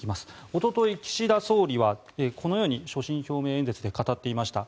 おととい、岸田総理はこのように所信表明演説で語っていました。